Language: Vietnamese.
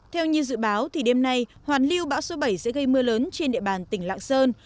theo như dự báo thì đêm nay hoàn lưu bão số bảy sẽ gây mưa lớn trên địa bàn tỉnh lạng sơn